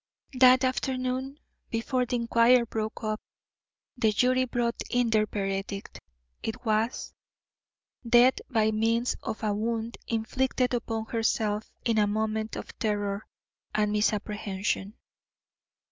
...... That afternoon, before the inquiry broke up, the jury brought in their verdict. It was: "Death by means of a wound inflicted upon herself in a moment of terror and misapprehension."